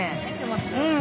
うん。